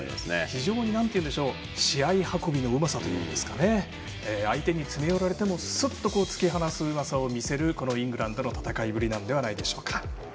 非常に試合運びのうまさといいますか相手に詰め寄られてもすっと突き放すうまさを見せるこのイングランドの戦いぶりではないでしょうか。